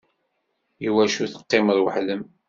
Iwacu teqqimeḍ weḥd-m?